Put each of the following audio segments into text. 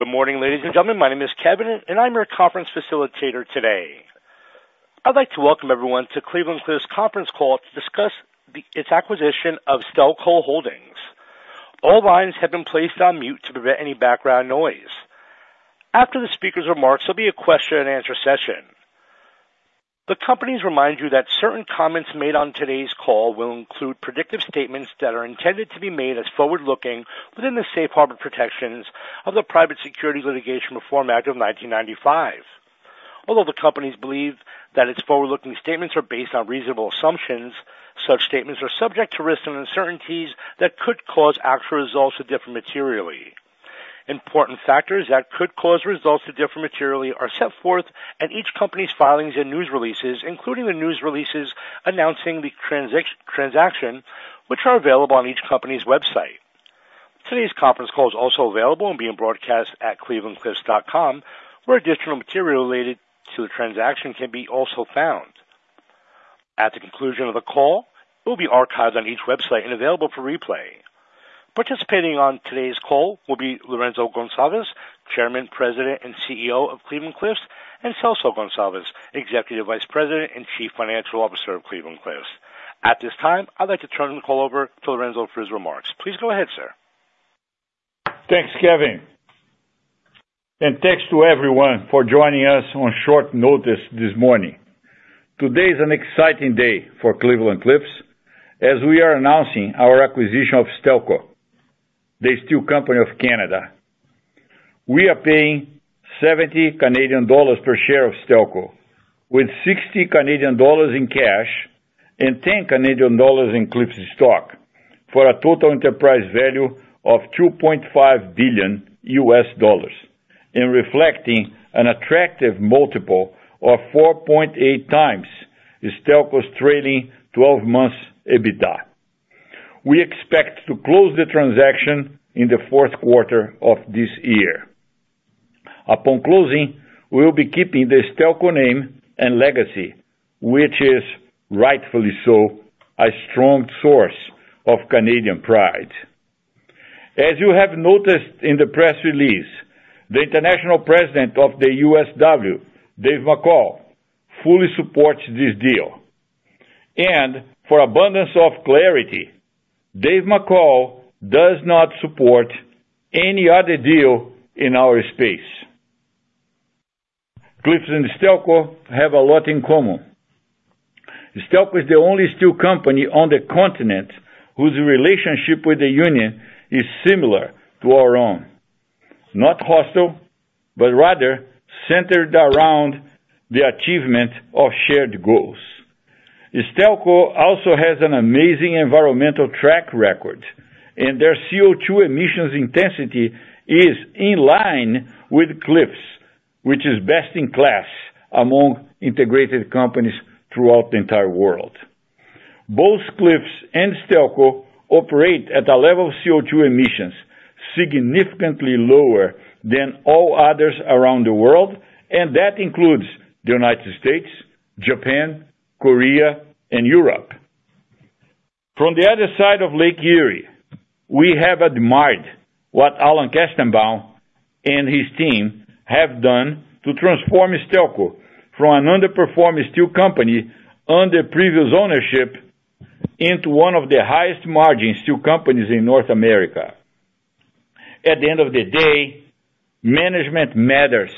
Good morning, ladies and gentlemen. My name is Kevin, and I'm your conference facilitator today. I'd like to welcome everyone to Cleveland-Cliffs conference call to discuss its acquisition of Stelco Holdings. All lines have been placed on mute to prevent any background noise. After the speaker's remarks, there'll be a question and answer session. The companies remind you that certain comments made on today's call will include predictive statements that are intended to be made as forward-looking within the safe harbor protections of the Private Securities Litigation Reform Act of 1995. Although the companies believe that its forward-looking statements are based on reasonable assumptions, such statements are subject to risks and uncertainties that could cause actual results to differ materially. Important factors that could cause results to differ materially are set forth at each company's filings and news releases, including the news releases announcing the transaction, which are available on each company's website. Today's conference call is also available and being broadcast at clevelandcliffs.com, where additional material related to the transaction can be also found. At the conclusion of the call, it will be archived on each website and available for replay. Participating on today's call will be Lourenco Goncalves, Chairman, President, and CEO of Cleveland-Cliffs, and Celso Goncalves, Executive Vice President and Chief Financial Officer of Cleveland-Cliffs. At this time, I'd like to turn the call over to Lourenco for his remarks. Please go ahead, sir. Thanks, Kevin, and thanks to everyone for joining us on short notice this morning. Today is an exciting day for Cleveland-Cliffs as we are announcing our acquisition of Stelco, the steel company of Canada. We are paying 70 Canadian dollars per share of Stelco, with 60 Canadian dollars in cash and 10 Canadian dollars in Cliffs stock for a total enterprise value of $2.5 billion, representing an attractive multiple of 4.8x Stelco's trailing 12 months EBITDA. We expect to close the transaction in the Q4 of this year. Upon closing, we will be keeping the Stelco name and legacy, which is rightfully so, a strong source of Canadian pride. As you have noticed in the press release, the International President of the USW, Dave McCall, fully supports this deal. For abundance of clarity, David McCall does not support any other deal in our space. Cliffs and Stelco have a lot in common. Stelco is the only steel company on the continent whose relationship with the union is similar to our own, not hostile, but rather centered around the achievement of shared goals. Stelco also has an amazing environmental track record, and their CO₂ emissions intensity is in line with Cliffs, which is best in class among integrated companies throughout the entire world. Both Cliffs and Stelco operate at a level of CO₂ emissions significantly lower than all others around the world, and that includes the United States, Japan, Korea, and Europe. From the other side of Lake Erie, we have admired what Alan Kestenbaum and his team have done to transform Stelco from an underperforming steel company under previous ownership into one of the highest margin steel companies in North America. At the end of the day, management matters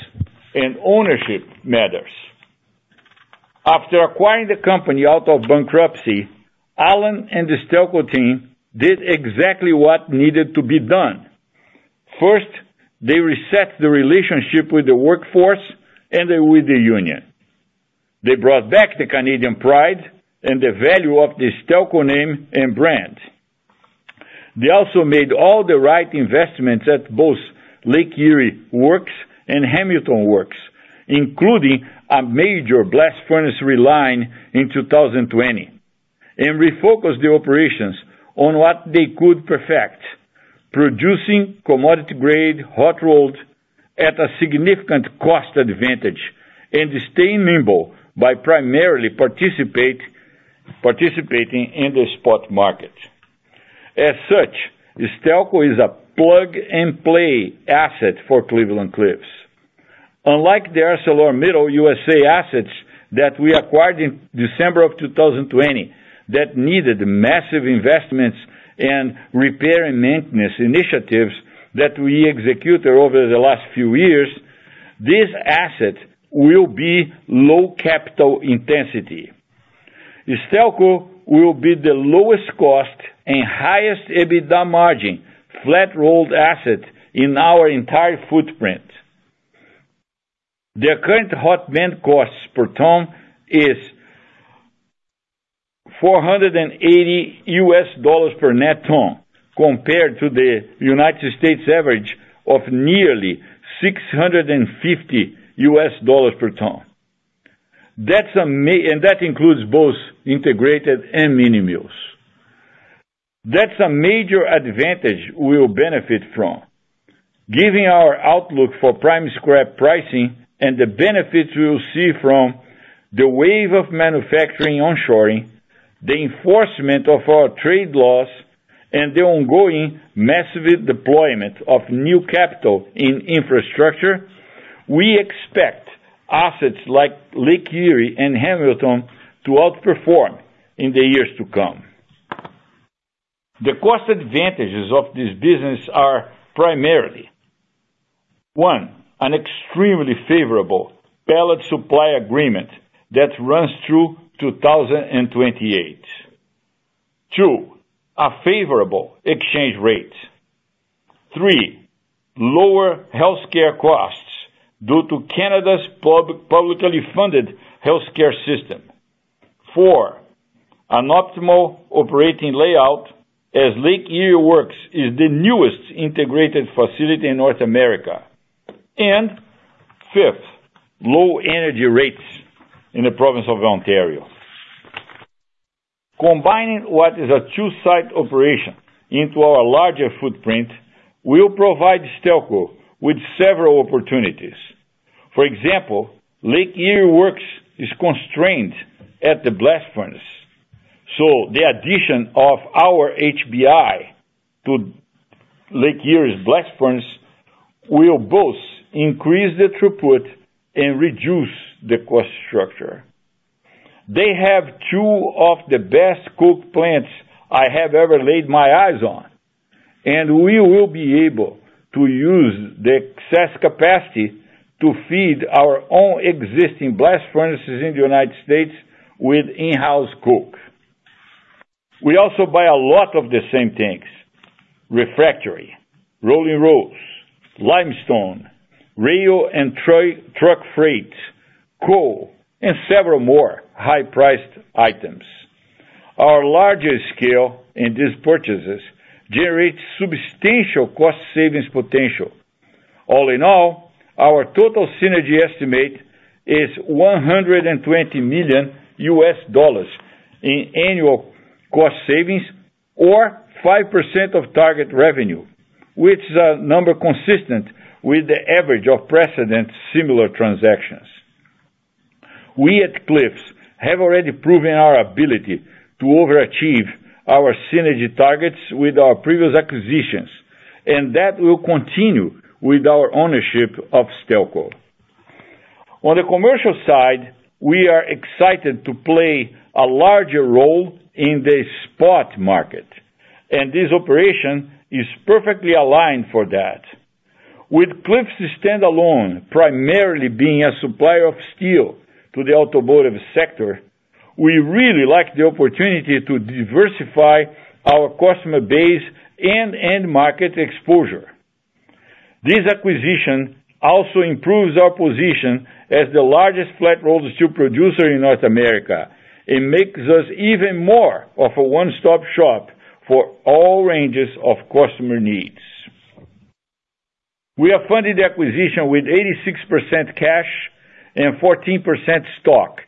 and ownership matters. After acquiring the company out of bankruptcy, Alan and the Stelco team did exactly what needed to be done. First, they reset the relationship with the workforce and with the union. They brought back the Canadian pride and the value of the Stelco name and brand. They also made all the right investments at both Lake Erie Works and Hamilton Works, including a major blast furnace reline in 2020, and refocused the operations on what they could perfect, producing commodity grade hot-rolled at a significant cost advantage and staying nimble by primarily participating in the spot market. As such, Stelco is a plug-and-play asset for Cleveland-Cliffs. Unlike their ArcelorMittal USA assets that we acquired in December of 2020, that needed massive investments and repair and maintenance initiatives that we executed over the last few years, this asset will be low capital intensity. Stelco will be the lowest cost and highest EBITDA margin flat-rolled asset in our entire footprint. Their current hot band costs per ton is $480 per net ton, compared to the United States average of nearly $650 per ton. That's a major advantage, and that includes both integrated and mini mills. We will benefit from it. Given our outlook for prime scrap pricing and the benefits we will see from the wave of manufacturing onshoring. The enforcement of our trade laws and the ongoing massive deployment of new capital in infrastructure, we expect assets like Lake Erie and Hamilton to outperform in the years to come. The cost advantages of this business are primarily, one, an extremely favorable pellet supply agreement that runs through 2028. Two, a favorable exchange rate. Three, lower healthcare costs due to Canada's publicly funded healthcare system. Four, an optimal operating layout as Lake Erie Works is the newest integrated facility in North America. Fifth, low energy rates in the province of Ontario. Combining what is a two-site operation into our larger footprint will provide Stelco with several opportunities. For example, Lake Erie Works is constrained at the blast furnace, so the addition of our HBI to Lake Erie's blast furnace will both increase the throughput and reduce the cost structure. They have two of the best coke plants I have ever laid my eyes on, and we will be able to use the excess capacity to feed our own existing blast furnaces in the United States with in-house coke. We also buy a lot of the same things, refractory, rolling rolls, limestone, rail and truck freight, coal, and several more high-priced items. Our larger scale in these purchases generates substantial cost savings potential. All in all, our total synergy estimate is $120 million in annual cost savings or 5% of target revenue, which is a number consistent with the average of precedent similar transactions. We at Cliffs have already proven our ability to overachieve our synergy targets with our previous acquisitions, and that will continue with our ownership of Stelco. On the commercial side, we are excited to play a larger role in the spot market, and this operation is perfectly aligned for that. With Cliffs standalone primarily being a supplier of steel to the automotive sector, we really like the opportunity to diversify our customer base and end market exposure. This acquisition also improves our position as the largest flat rolled steel producer in North America and makes us even more of a one-stop shop for all ranges of customer needs. We have funded the acquisition with 86% cash and 14% stock,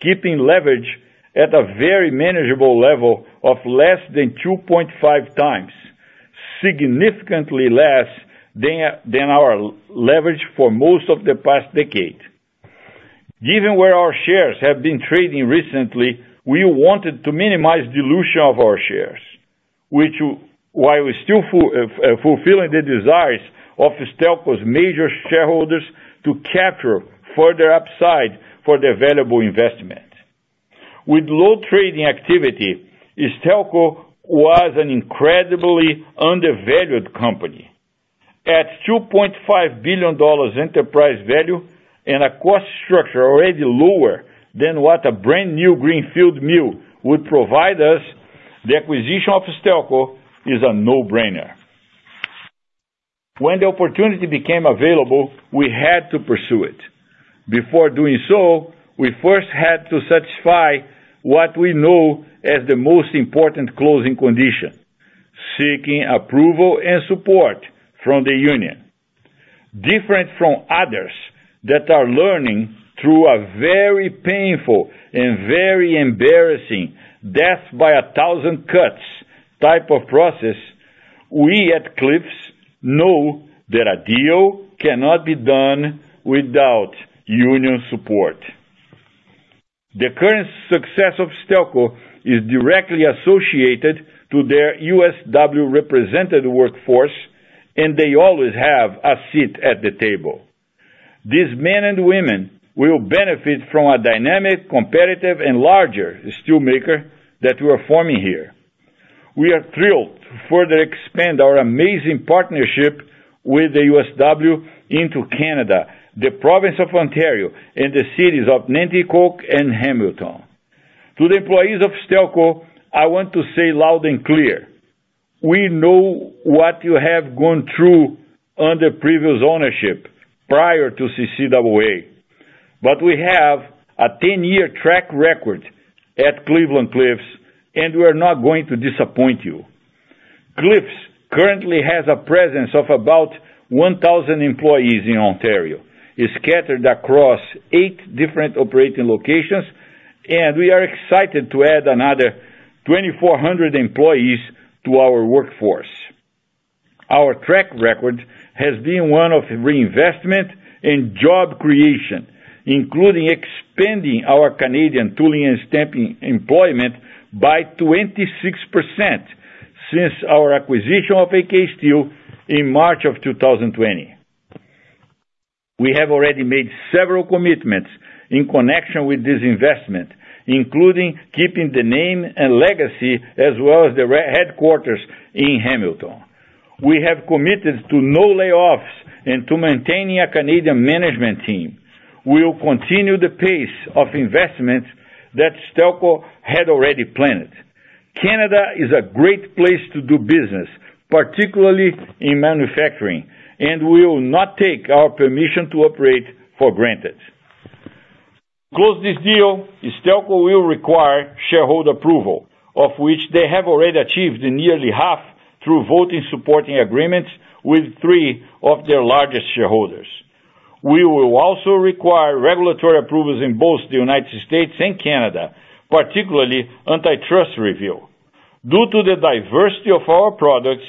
keeping leverage at a very manageable level of less than 2.5x, significantly less than our leverage for most of the past decade. Given where our shares have been trading recently, we wanted to minimize dilution of our shares, which while still fulfilling the desires of Stelco's major shareholders to capture further upside for the available investment. With low trading activity, Stelco was an incredibly undervalued company. At $2.5 billion enterprise value and a cost structure already lower than what a brand-new greenfield mill would provide us, the acquisition of Stelco is a no-brainer. When the opportunity became available, we had to pursue it. Before doing so, we first had to satisfy what we know as the most important closing condition, seeking approval and support from the union. Different from others that are learning through a very painful and very embarrassing death by a thousand cuts type of process, we at Cleveland-Cliffs know that a deal cannot be done without union support. The current success of Stelco is directly associated to their USW represented workforce, and they always have a seat at the table. These men and women will benefit from a dynamic, competitive, and larger steel maker that we're forming here. We are thrilled to further expand our amazing partnership with the USW into Canada, the province of Ontario, and the cities of Nanticoke and Hamilton. To the employees of Stelco, I want to say loud and clear, we know what you have gone through under previous ownership prior to CCAA, but we have a 10-year track record at Cleveland-Cliffs, and we're not going to disappoint you. Cliffs currently has a presence of about 1,000 employees in Ontario. It's scattered across eight different operating locations, and we are excited to add another 2,400 employees to our workforce. Our track record has been one of reinvestment and job creation, including expanding our Canadian tooling and stamping employment by 26% since our acquisition of AK Steel in March of 2020. We have already made several commitments in connection with this investment, including keeping the name and legacy, as well as the re-headquarters in Hamilton. We have committed to no layoffs and to maintaining a Canadian management team. We will continue the pace of investment that Stelco had already planned. Canada is a great place to do business, particularly in manufacturing, and we will not take our permission to operate for granted. To close this deal, Stelco will require shareholder approval, of which they have already achieved nearly half through voting support agreements with three of their largest shareholders. We will also require regulatory approvals in both the United States and Canada, particularly antitrust review. Due to the diversity of our products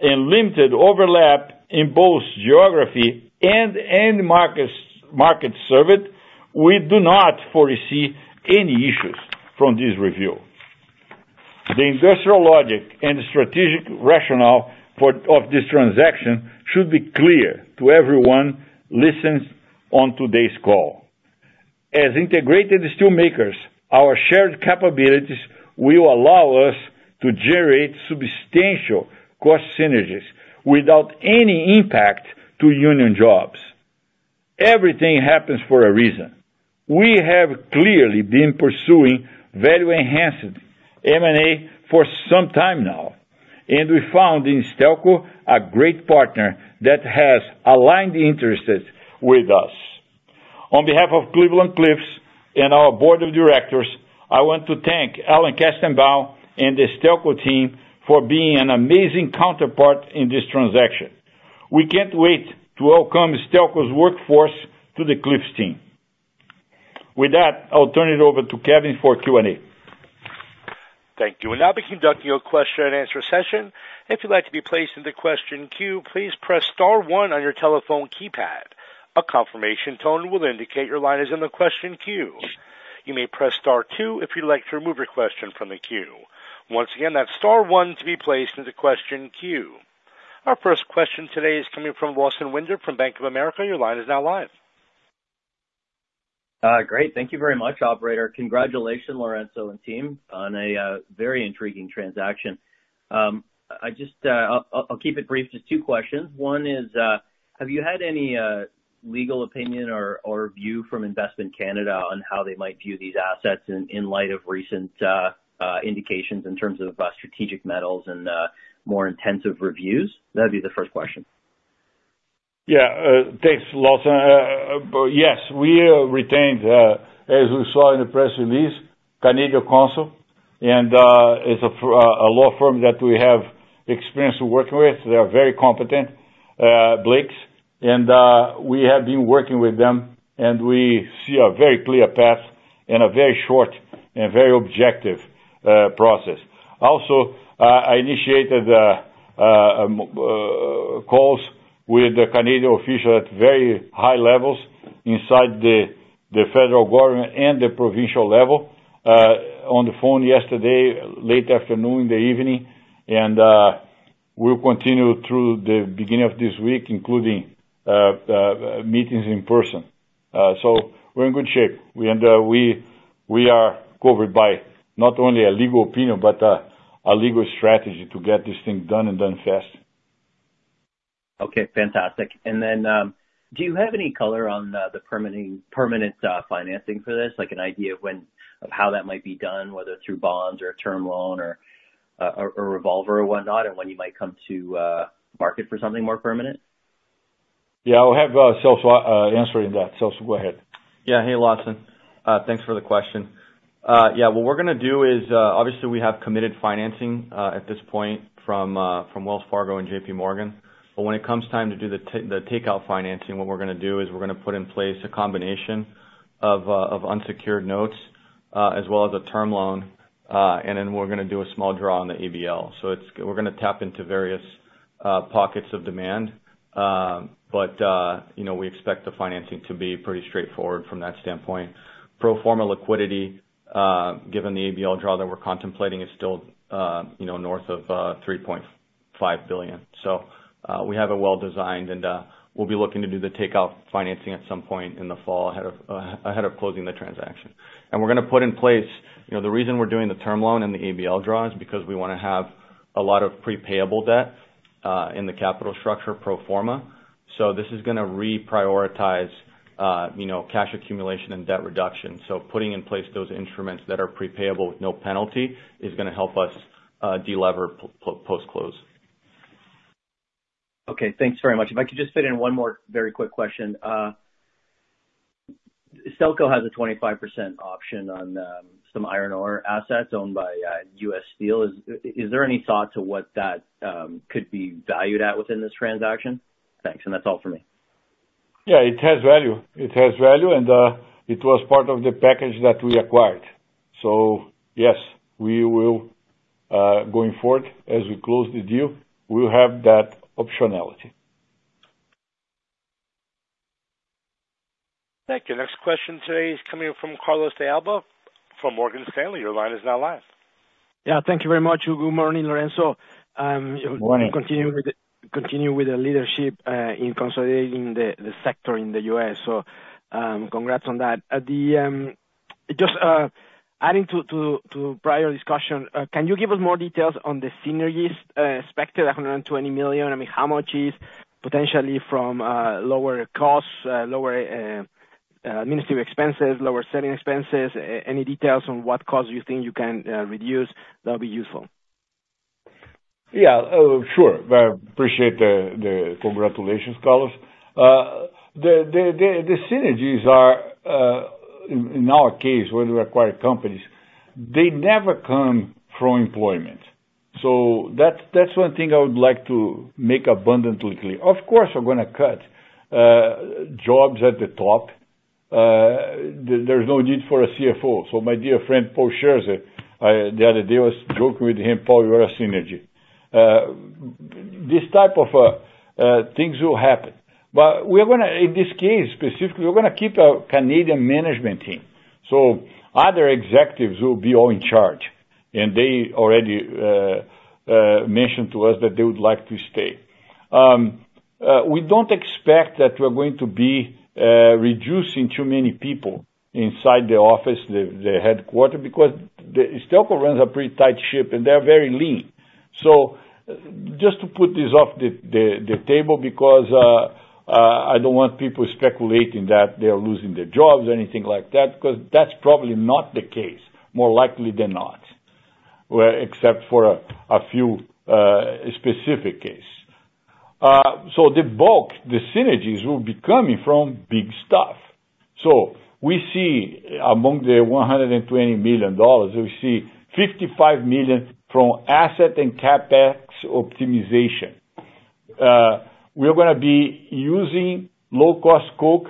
and limited overlap in both geography and end markets and markets served, we do not foresee any issues from this review. The industrial logic and strategic rationale for this transaction should be clear to everyone listening on today's call. As integrated steel makers, our shared capabilities will allow us to generate substantial cost synergies without any impact to union jobs. Everything happens for a reason. We have clearly been pursuing value-enhancing M&A for some time now, and we found in Stelco a great partner that has aligned interests with us. On behalf of Cleveland-Cliffs and our board of directors, I want to thank Alan Kestenbaum and the Stelco team for being an amazing counterpart in this transaction. We can't wait to welcome Stelco's workforce to the Cliffs team. With that, I'll turn it over to Kevin for Q&A. Thank you. We'll now be conducting your question and answer session. If you'd like to be placed in the question queue, please press star one on your telephone keypad. A confirmation tone will indicate your line is in the question queue. You may press star two if you'd like to remove your question from the queue. Once again, that's star one to be placed in the question queue. Our first question today is coming from Lawson Winder from Bank of America. Your line is now live. Great. Thank you very much, operator. Congratulations, Lourenco and team, on a very intriguing transaction. I just I'll keep it brief. Just two questions. One is, have you had any legal opinion or view from Investment Canada on how they might view these assets in light of recent indications in terms of strategic metals and more intensive reviews? That'd be the first question. Yeah. Thanks, Lawson. Yes, we retained, as we saw in the press release, Canadian counsel and it's a law firm that we have experience working with. They are very competent, Blakes, and we have been working with them, and we see a very clear path and a very short and very objective process. Also, I initiated calls with the Canadian official at very high levels inside the federal government and the provincial level on the phone yesterday, late afternoon, the evening. We'll continue through the beginning of this week, including meetings in person. We're in good shape. We are covered by not only a legal opinion, but a legal strategy to get this thing done and done fast. Okay, fantastic. Do you have any color on the permanent financing for this? Like an idea of when, of how that might be done, whether through bonds or a term loan or a revolver or whatnot, and when you might come to market for something more permanent? Yeah. I'll have Celso answer that. Celso, go ahead. Yeah. Hey, Lawson. Thanks for the question. Yeah, what we're gonna do is obviously we have committed financing at this point from Wells Fargo and J.P. Morgan. When it comes time to do the take, the takeout financing, what we're gonna do is we're gonna put in place a combination of unsecured notes as well as a term loan and then we're gonna do a small draw on the ABL. We're gonna tap into various pockets of demand. You know, we expect the financing to be pretty straightforward from that standpoint. Pro forma liquidity given the ABL draw that we're contemplating is still you know north of 3.5 billion. We have it well-designed, and we'll be looking to do the takeout financing at some point in the fall ahead of closing the transaction. You know, the reason we're doing the term loan and the ABL draw is because we wanna have a lot of pre-payable debt in the capital structure pro forma. This is gonna reprioritize you know, cash accumulation and debt reduction. Putting in place those instruments that are pre-payable with no penalty is gonna help us de-lever post-close. Okay. Thanks very much. If I could just fit in one more very quick question. Stelco has a 25% option on some iron ore assets owned by U.S. Steel. Is there any thought to what that could be valued at within this transaction? Thanks. That's all for me. Yeah, it has value, and it was part of the package that we acquired. Yes, we will, going forward as we close the deal, we'll have that optionality. Thank you. Next question today is coming from Carlos de Alba from Morgan Stanley. Your line is now live. Yeah, thank you very much. Good morning, Lourenco. Good morning. Continue with the leadership in consolidating the sector in the U.S. Congrats on that. Just adding to prior discussion, can you give us more details on the synergies expected, 100 million. I mean, how much is potentially from lower costs, lower administrative expenses, lower selling expenses? Any details on what costs you think you can reduce, that'll be useful. Yeah. Oh, sure. Well, I appreciate the congratulations, Carlos. The synergies are, in our case, when we acquire companies, they never come from employment. That's one thing I would like to make abundantly clear. Of course, we're gonna cut jobs at the top. There's no need for a CFO. My dear friend, Paul Scherzer, the other day, I was joking with him, "Paul, you're a synergy." This type of things will happen. We're gonna, in this case specifically, we're gonna keep a Canadian management team, so other executives will be all in charge. They already mentioned to us that they would like to stay. We don't expect that we're going to be reducing too many people inside the office, the headquarters, because Stelco runs a pretty tight ship, and they're very lean. Just to put this off the table because I don't want people speculating that they are losing their jobs or anything like that, because that's probably not the case, more likely than not, well, except for a few specific case. The bulk of the synergies will be coming from big stuff. We see among the 120 million dollars, we see 55 million from asset and CapEx optimization. We're gonna be using low cost coke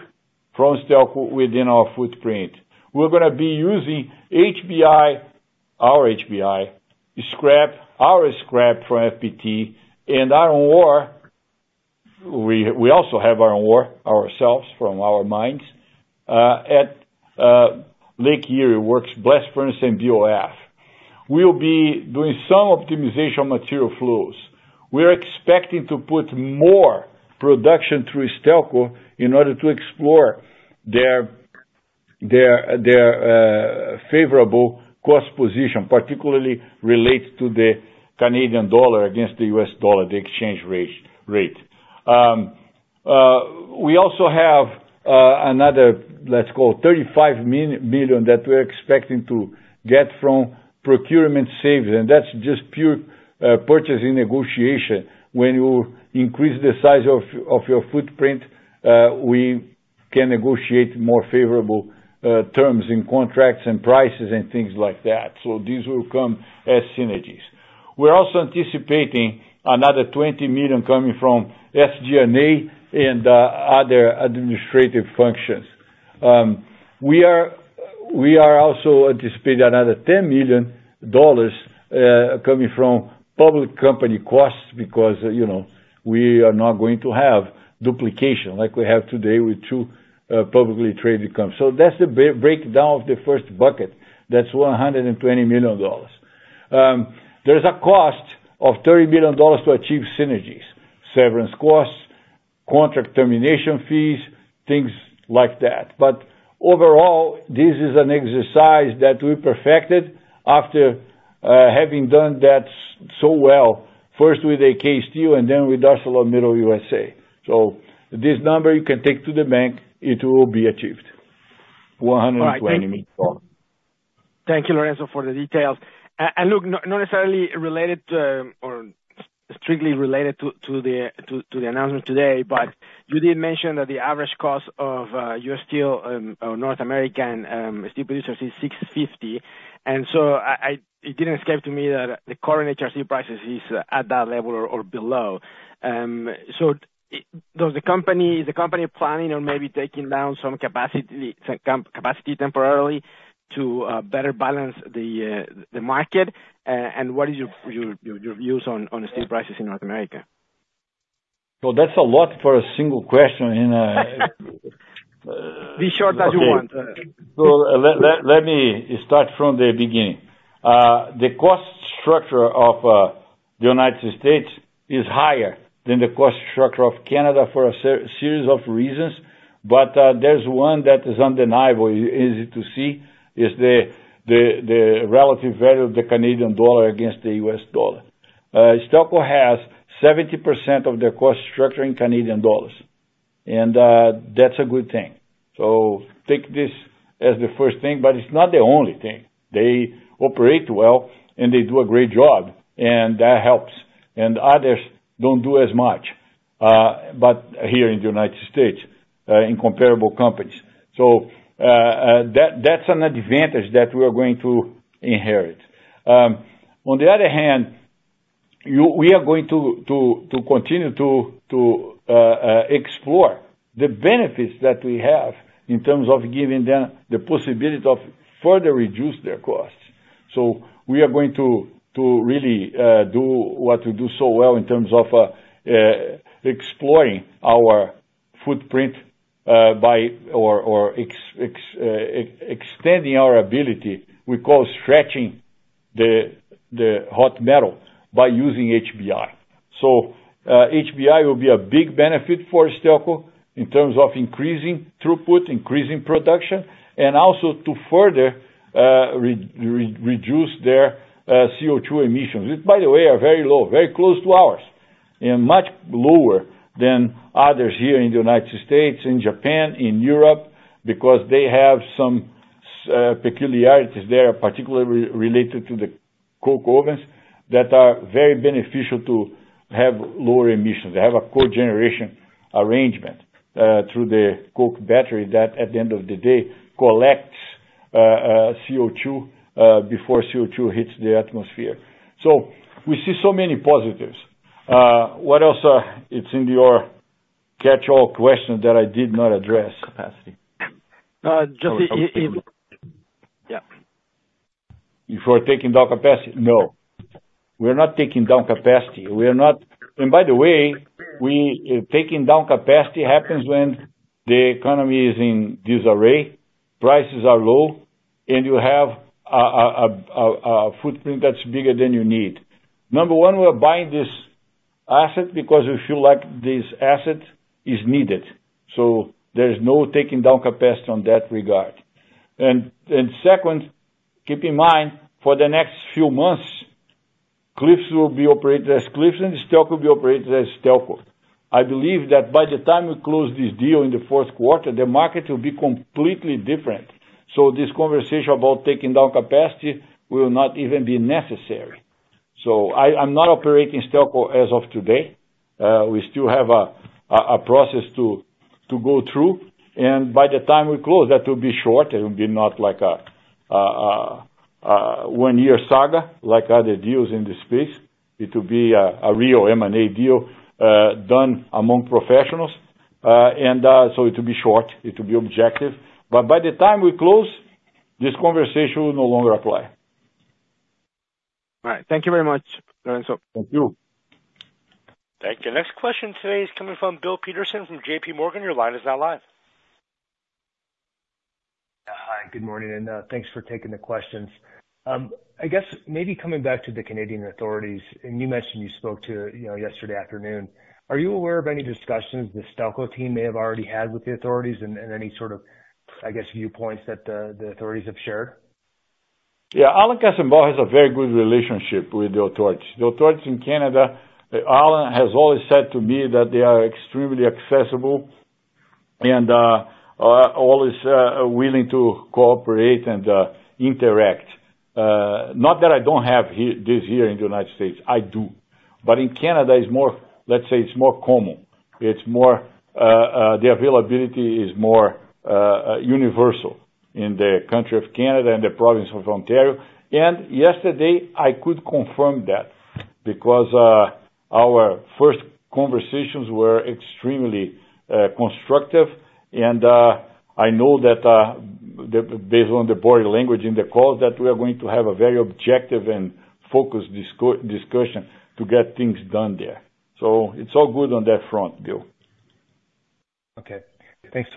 from Stelco within our footprint. We're gonna be using HBI, our HBI, scrap, our scrap from FPT and iron ore. We also have iron ore ourselves from our mines at Lake Erie Works blast furnace and BOF. We'll be doing some optimization on material flows. We're expecting to put more production through Stelco in order to explore their favorable cost position, particularly related to the Canadian dollar against the U.S. dollar, the exchange rate. We also have another, let's call, 35 million that we're expecting to get from procurement savings, and that's just pure purchasing negotiation. When you increase the size of your footprint, we can negotiate more favorable terms and contracts and prices and things like that. These will come as synergies. We're also anticipating another 20 million coming from SG&A and other administrative functions. We are also anticipating another 10 million dollars coming from public company costs because, you know, we are not going to have duplication like we have today with two publicly traded companies. So that's the breakdown of the first bucket. That's 120 million dollars. There's a cost of 30 million dollars to achieve synergies, severance costs, contract termination fees, things like that. But overall, this is an exercise that we perfected after having done that so well, first with AK Steel and then with ArcelorMittal USA. So this number you can take to the bank, it will be achieved. 120 million dollars. Thank you, Lourenco, for the details. Look, not necessarily related to, or strictly related to, the announcement today, but you did mention that the average cost of your North American steel producers is $650. It didn't escape me that the current HRC prices is at that level or below. Is the company planning on maybe taking down some capacity temporarily to better balance the market? What is your views on steel prices in North America? That's a lot for a single question, and Be short as you want. Okay. Let me start from the beginning. The cost structure of the United States is higher than the cost structure of Canada for a series of reasons, but there's one that is undeniable, easy to see, is the relative value of the Canadian dollar against the US dollar. Stelco has 70% of their cost structure in Canadian dollars, and that's a good thing. Take this as the first thing, but it's not the only thing. They operate well, and they do a great job, and that helps. Others don't do as much, but here in the United States, in comparable companies. That's an advantage that we are going to inherit. On the other hand, we are going to continue to explore the benefits that we have in terms of giving them the possibility of further reduce their costs. We are going to really do what we do so well in terms of exploring our footprint by extending our ability, we call stretching the hot metal by using HBI. HBI will be a big benefit for Stelco in terms of increasing throughput, increasing production, and also to further reduce their CO₂ emissions, which, by the way, are very low, very close to ours. Much lower than others here in the United States, in Japan, in Europe, because they have some peculiarities there, particularly related to the coke ovens, that are very beneficial to have lower emissions. They have a cogeneration arrangement through the coke battery that at the end of the day collects CO₂ before CO₂ hits the atmosphere. We see so many positives. What else? It's in your catchall question that I did not address? Capacity. If we're taking down capacity? No. We're not taking down capacity. By the way, taking down capacity happens when the economy is in disarray, prices are low, and you have a footprint that's bigger than you need. Number one, we're buying this asset because we feel like this asset is needed, so there is no taking down capacity on that regard. Second, keep in mind, for the next few months, Cliffs will be operated as Cliffs, and Stelco will be operated as Stelco. I believe that by the time we close this deal in the Q4, the market will be completely different. This conversation about taking down capacity will not even be necessary. I'm not operating Stelco as of today. We still have a process to go through, and by the time we close, that will be short. It will not be like a one-year saga like other deals in this space. It will be a real M&A deal, done among professionals. It will be short, it will be objective. By the time we close, this conversation will no longer apply. All right. Thank you very much, Lourenco. Thank you. Thank you. Next question today is coming from Bill Peterson from JPMorgan. Your line is now live. Hi, good morning, and thanks for taking the questions. I guess maybe coming back to the Canadian authorities, and you mentioned you spoke to, you know, yesterday afternoon. Are you aware of any discussions the Stelco team may have already had with the authorities and any sort of, I guess, viewpoints that the authorities have shared? Yeah. Alan Kestenbaum has a very good relationship with the authorities. The authorities in Canada, Alan has always said to me that they are extremely accessible and always willing to cooperate and interact. Not that I don't have this here in the United States, I do. In Canada it's more, let's say it's more common. It's more, the availability is more, universal in the country of Canada and the province of Ontario. Yesterday, I could confirm that because our first conversations were extremely constructive. I know that that based on the body language in the call, that we are going to have a very objective and focused discussion to get things done there. It's all good on that front, Bill. Okay. Thanks,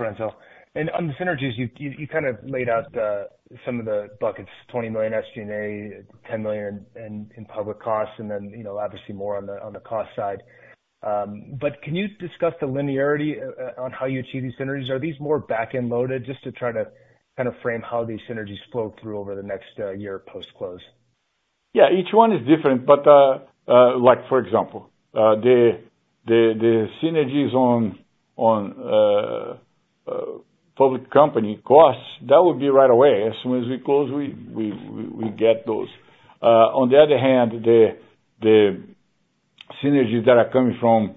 Lourenco. On the synergies, you kind of laid out some of the buckets, 20 million SG&A, 10 million in public costs, and then, you know, obviously more on the cost side. But can you discuss the linearity on how you achieve these synergies? Are these more back-end loaded? Just to try to kind of frame how these synergies flow through over the next year post-close. Yeah, each one is different, but like for example, the synergies on public company costs, that would be right away. As soon as we close, we get those. On the other hand, the synergies that are coming from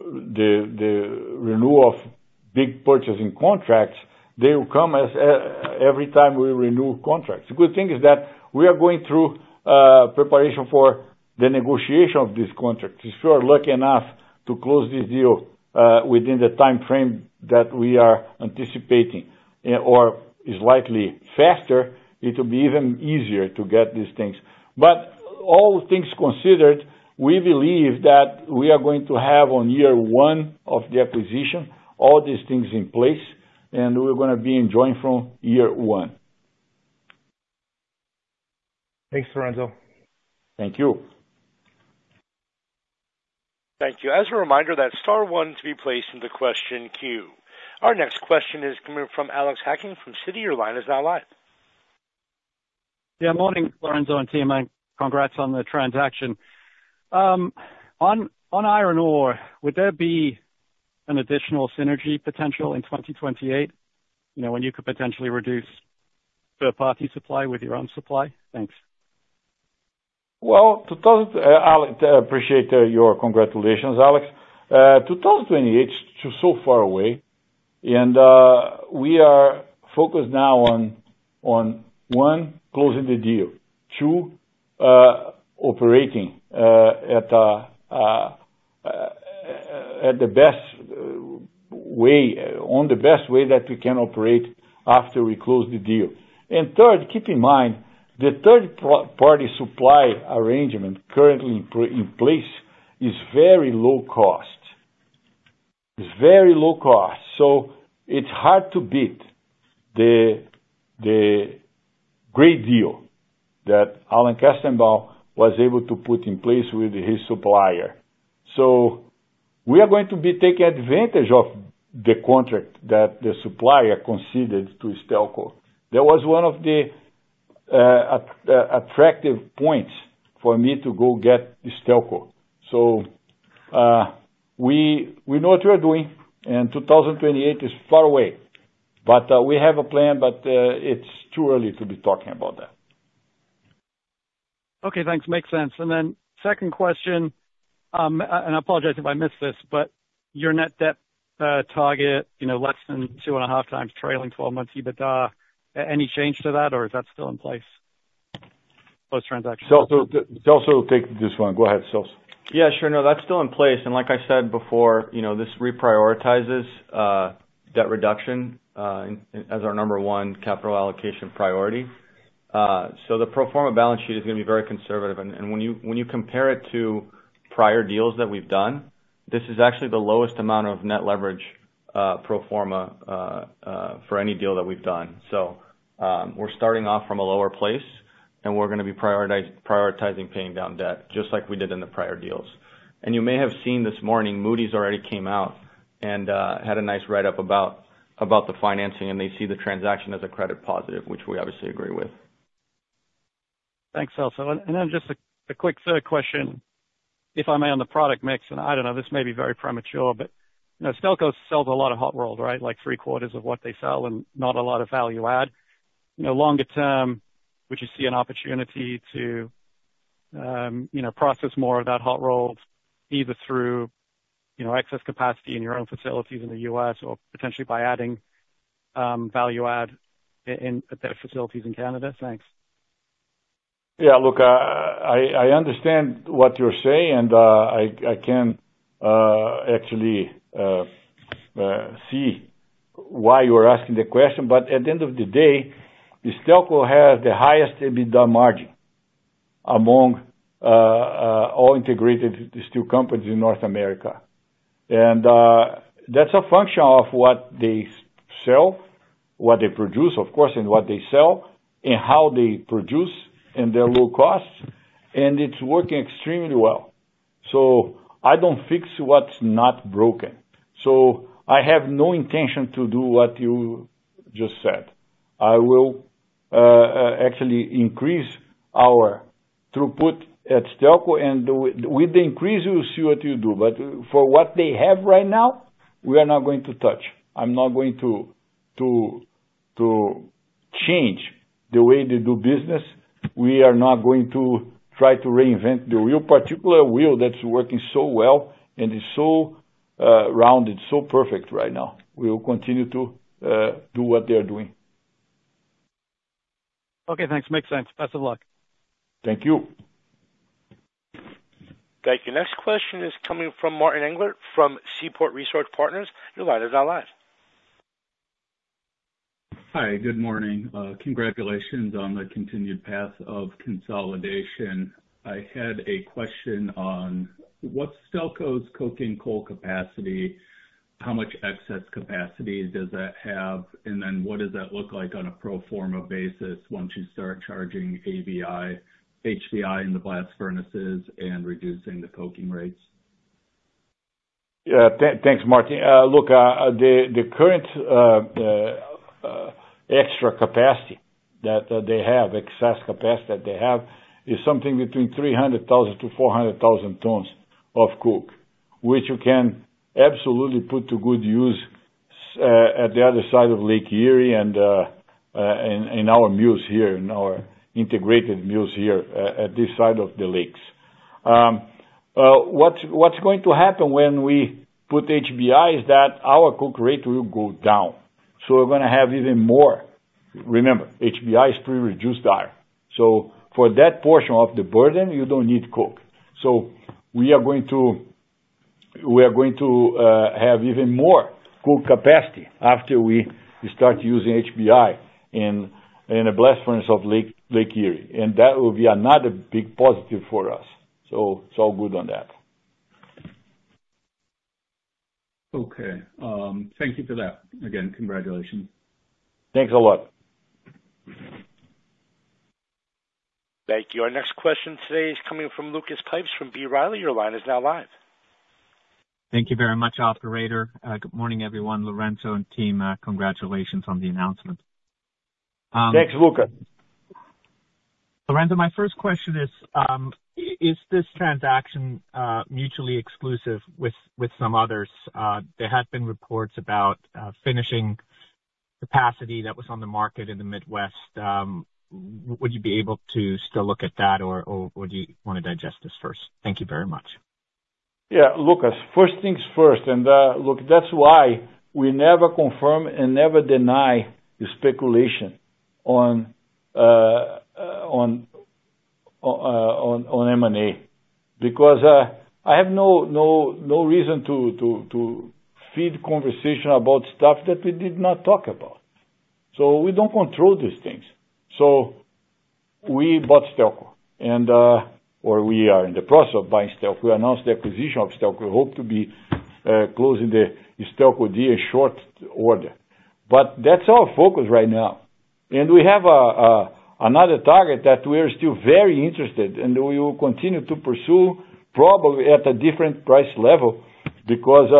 the renewal of big purchasing contracts, they will come as every time we renew contracts. The good thing is that we are going through preparation for the negotiation of this contract. If we are lucky enough to close this deal, within the timeframe that we are anticipating or even faster, it will be even easier to get these things. All things considered, we believe that we are going to have on year one of the acquisition, all these things in place, and we're gonna be enjoying from year one. Thanks, Lourenco. Thank you. Thank you. As a reminder, that's star one to be placed into question queue. Our next question is coming from Alex Hacking from Citi. Your line is now live. Yeah, morning, Lourenco and team, and congrats on the transaction. On iron ore, would there be an additional synergy potential in 2028, you know, when you could potentially reduce third-party supply with your own supply? Thanks. Well, Alex, I appreciate your congratulations, Alex. 2028 is so far away. We are focused now on one, closing the deal. Two, operating at the best way that we can operate after we close the deal. Third, keep in mind, the third party supply arrangement currently in place is very low cost. It's very low cost. So it's hard to beat the great deal that Alan Kestenbaum was able to put in place with his supplier. We are going to be taking advantage of the contract that the supplier conceded to Stelco. That was one of the attractive points for me to go get Stelco. We know what we are doing, and 2028 is far away, but we have a plan, but it's too early to be talking about that. Okay, thanks. Makes sense. Second question, and I apologize if I missed this, but your net debt target, you know, less than 2.5x trailing twelve months EBITDA, any change to that, or is that still in place, post-transaction? Celso, take this one. Go ahead, Celso. Yeah, sure. No, that's still in place. Like I said before, you know, this reprioritizes debt reduction as our number one capital allocation priority. The pro forma balance sheet is gonna be very conservative. When you compare it to prior deals that we've done, this is actually the lowest amount of net leverage pro forma for any deal that we've done. We're starting off from a lower place, and we're gonna be prioritizing paying down debt just like we did in the prior deals. You may have seen this morning, Moody's already came out and had a nice write-up about the financing, and they see the transaction as a credit positive, which we obviously agree with. Thanks, Celso. Then just a quick third question, if I may, on the product mix, and I don't know, this may be very premature, but you know, Stelco sells a lot of hot rolls, right? Like three quarters of what they sell and not a lot of value add. You know, longer term, would you see an opportunity to you know, process more of that hot rolls either through you know, excess capacity in your own facilities in the U.S. or potentially by adding value add in at their facilities in Canada? Thanks. Yeah. Look, I understand what you're saying, and I can actually see why you are asking the question, but at the end of the day, Stelco has the highest EBITDA margin among all integrated steel companies in North America. That's a function of what they sell, what they produce, of course, and what they sell, and how they produce and their low costs, and it's working extremely well. I don't fix what's not broken. I have no intention to do what you just said. I will actually increase our throughput at Stelco, and with the increase, we'll see what you do. For what they have right now, we are not going to touch. I'm not going to change the way they do business. We are not going to try to reinvent the wheel, particular wheel that's working so well and is so rounded, so perfect right now. We will continue to do what they are doing. Okay, thanks. Makes sense. Best of luck. Thank you. Thank you. Next question is coming from Martin Englert, from Seaport Research Partners. Your line is now live. Hi. Good morning. Congratulations on the continued path of consolidation. I had a question on what's Stelco's coking coal capacity, how much excess capacity does that have? What does that look like on a pro forma basis once you start charging HBI in the blast furnaces and reducing the coking rates? Yeah. Thanks, Martin. Look, the current extra capacity that they have, excess capacity that they have, is something between 300,000-400,000 tons of coke, which you can absolutely put to good use at the other side of Lake Erie and in our mills here, in our integrated mills here at this side of the lakes. What's going to happen when we put HBI is that our coke rate will go down, so we're gonna have even more. Remember, HBI is pre-reduced iron, so for that portion of the burden, you don't need coke. We are going to have even more coke capacity after we start using HBI in the blast furnace of Lake Erie. That will be another big positive for us. It's all good on that. Okay. Thank you for that. Again, congratulations. Thanks a lot. Thank you. Our next question today is coming from Lucas Pipes from B. Riley. Your line is now live. Thank you very much, operator. Good morning, everyone, Lourenco Goncalves and team. Congratulations on the announcement. Thanks, Lucas. Lourenco, my first question is this transaction mutually exclusive with some others? There have been reports about finishing capacity that was on the market in the Midwest, would you be able to still look at that or would you want to digest this first? Thank you very much. Yeah. Lucas, first things first, look, that's why we never confirm and never deny the speculation on M&A, because I have no reason to feed conversation about stuff that we did not talk about. We don't control these things. We bought Stelco, or we are in the process of buying Stelco. We announced the acquisition of Stelco. We hope to be closing the Stelco deal in short order. That's our focus right now. We have another target that we're still very interested, and we will continue to pursue, probably at a different price level because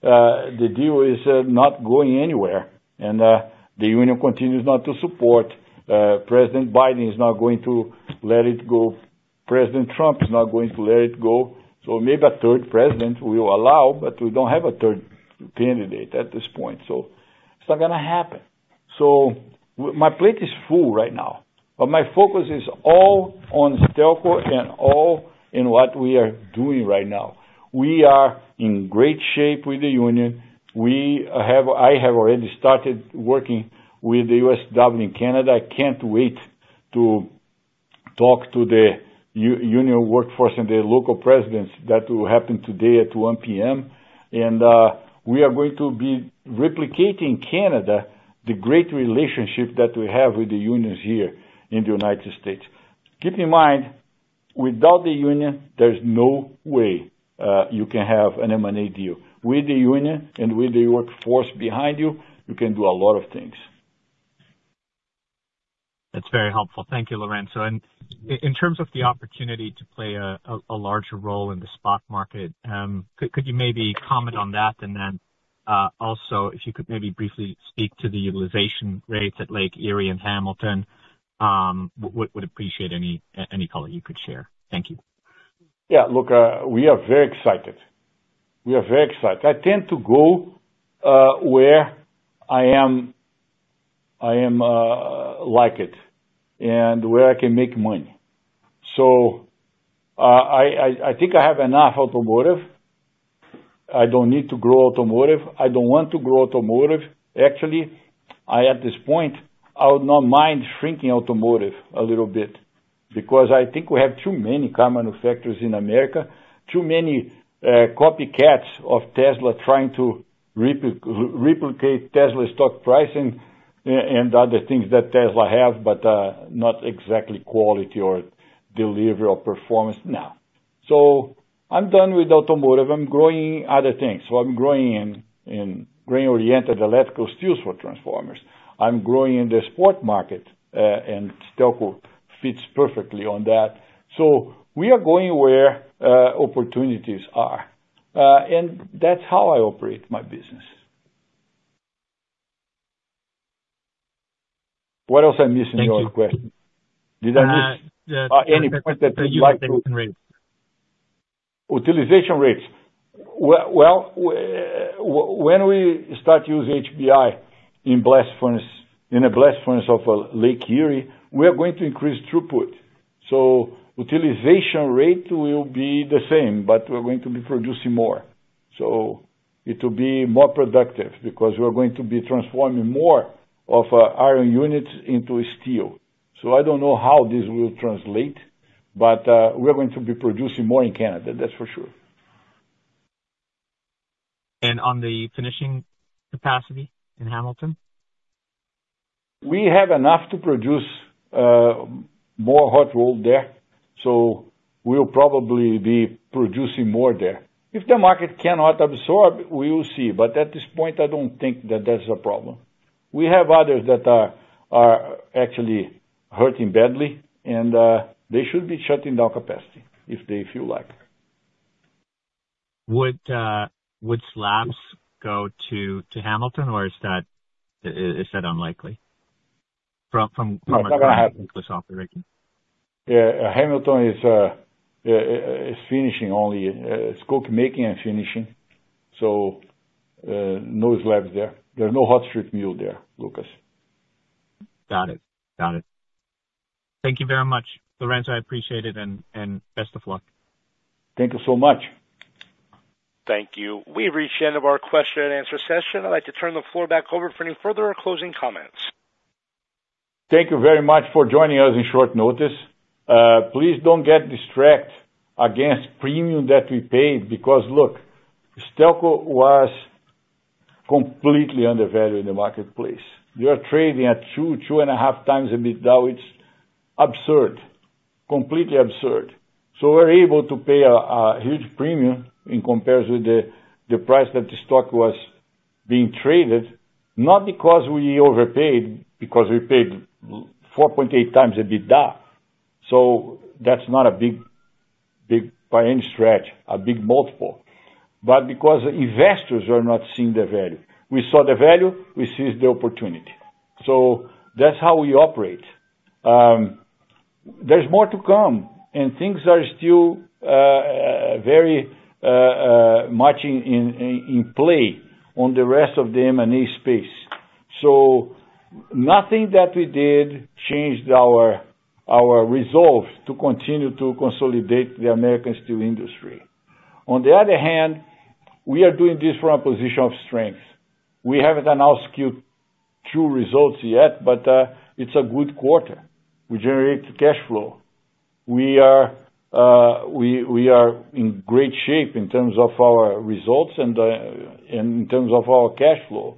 the deal is not going anywhere, and the union continues not to support. President Biden is not going to let it go. President Trump is not going to let it go. Maybe a third president will allow, but we don't have a third candidate at this point, so it's not gonna happen. My plate is full right now, but my focus is all on Stelco and all in what we are doing right now. We are in great shape with the union. I have already started working with the USW in Canada. I can't wait to talk to the union workforce and the local presidents. That will happen today at 1:00 P.M. We are going to be replicating in Canada the great relationship that we have with the unions here in the United States. Keep in mind, without the union, there's no way you can have an M&A deal. With the union and with the workforce behind you can do a lot of things. That's very helpful. Thank you, Lourenco. In terms of the opportunity to play a larger role in the spot market, could you maybe comment on that, and then also if you could maybe briefly speak to the utilization rates at Lake Erie and Hamilton? Would appreciate any color you could share. Thank you. Yeah. Look, we are very excited. I tend to go where I like it and where I can make money. I think I have enough automotive. I don't need to grow automotive. I don't want to grow automotive. Actually, I at this point would not mind shrinking automotive a little bit because I think we have too many car manufacturers in America, too many copycats of Tesla trying to replicate Tesla's stock pricing and other things that Tesla have, but not exactly quality or delivery or performance. No. I'm done with automotive. I'm growing other things. I'm growing in grain-oriented electrical steels for transformers. I'm growing in the spot market, and Stelco fits perfectly on that. We are going where opportunities are. That's how I operate my business. What else I'm missing in your question? Thank you. Did I miss any point that you'd like to? Utilization rates. Utilization rates. Well, when we start to use HBI in blast furnace, in a blast furnace of Lake Erie, we are going to increase throughput. Utilization rate will be the same, but we're going to be producing more. It will be more productive because we're going to be transforming more of iron units into steel. I don't know how this will translate, but we're going to be producing more in Canada, that's for sure. On the finishing capacity in Hamilton. We have enough to produce more hot-rolled coil there, so we'll probably be producing more there. If the market cannot absorb, we'll see, but at this point I don't think that that's a problem. We have others that are actually hurting badly and they should be shutting down capacity if they feel like. Would slabs go to Hamilton or is that unlikely? No, it's not gonna happen. from this operating. Yeah. Hamilton is finishing only its coke making and finishing. No slabs there. There are no hot strip mill there, Lucas. Got it. Thank you very much, Lourenco. I appreciate it, and best of luck. Thank you so much. Thank you. We've reached the end of our question and answer session. I'd like to turn the floor back over for any further closing comments. Thank you very much for joining us on short notice. Please don't get distracted against premium that we paid, because, look, Stelco was completely undervalued in the marketplace. We are trading at 2-2.5x EBITDA. It's absurd. Completely absurd. We're able to pay a huge premium in comparison with the price that the stock was being traded, not because we overpaid, because we paid 4.8x the EBITDA. That's not a big, by any stretch, a big multiple, but because investors are not seeing the value. We saw the value, we seized the opportunity. That's how we operate. There's more to come, and things are still very much in play on the rest of the M&A space. Nothing that we did changed our resolve to continue to consolidate the American steel industry. On the other hand, we are doing this from a position of strength. We haven't announced Q2 results yet, but it's a good quarter. We generated cash flow. We are in great shape in terms of our results and in terms of our cash flow,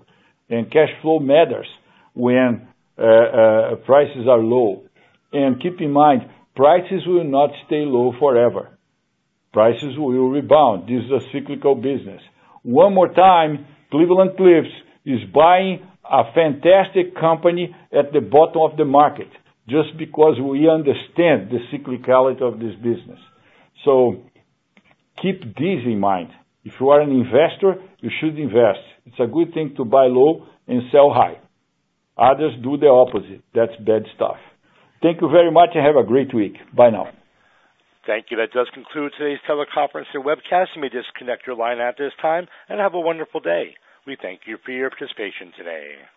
and cash flow matters when prices are low. Keep in mind, prices will not stay low forever. Prices will rebound. This is a cyclical business. One more time, Cleveland-Cliffs is buying a fantastic company at the bottom of the market just because we understand the cyclicality of this business. Keep this in mind. If you are an investor, you should invest. It's a good thing to buy low and sell high. Others do the opposite. That's bad stuff. Thank you very much and have a great week. Bye now. Thank you. That does conclude today's teleconference and webcast. You may disconnect your line at this time and have a wonderful day. We thank you for your participation today.